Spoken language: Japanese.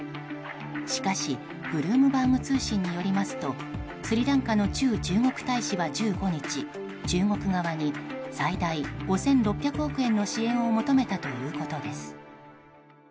しかしブルームバーグ通信によりますとスリランカの駐中国大使は１５日中国側に最大５６００億円の支援を求めたということです。